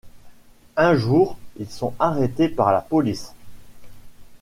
Un jour, ils sont arrêtés par la police.